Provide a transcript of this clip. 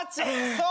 そう！